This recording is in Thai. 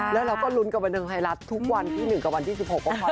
แล้วเราก็ลุ้นกับมนุษย์ไทยรัฐทุกวันที่หนึ่งกับวันที่สิบหกก็ค่อย